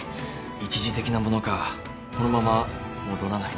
一時的なものかこのまま戻らないのか。